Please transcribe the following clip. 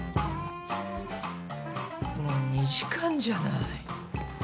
もう２時間じゃない。